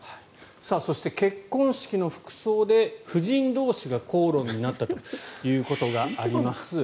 そして結婚式の服装で夫人同士が口論になったということがあります。